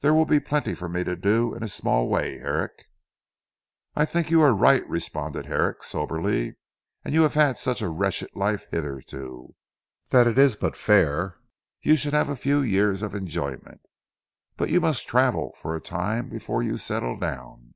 There will be plenty for me to do in a small way Herrick." "I think you are right," responded Herrick soberly, "and you have had such a wretched life hitherto, that it is but fair you should have a few years of enjoyment. But you must travel for a time before you settle down."